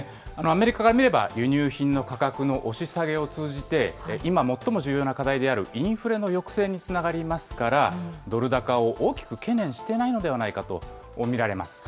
アメリカから見れば輸入品の価格の押し下げを通じて、今、最も重要な課題であるインフレの抑制につながりますから、ドル高を大きく懸念していないのではないかと見られます。